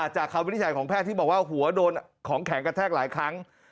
คำวินิจฉัยของแพทย์ที่บอกว่าหัวโดนของแข็งกระแทกหลายครั้ง